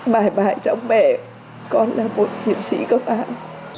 mãi mãi trong mẹ con là một chiến sĩ công an